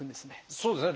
そうですね。